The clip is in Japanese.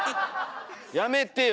やめてよ。